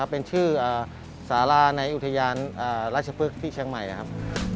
เป็นชื่อสาราในอุทยานราชพฤกษ์ที่เชียงใหม่นะครับ